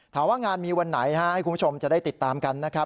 ถามว่างานมีวันไหนให้คุณผู้ชมจะได้ติดตามกันนะครับ